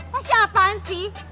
lo siapaan sih